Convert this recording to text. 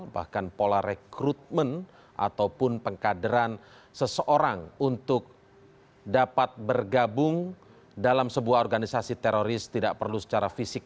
bahkan pola rekrutmen ataupun pengkaderan seseorang untuk dapat bergabung dalam sebuah organisasi teroris tidak perlu secara fisik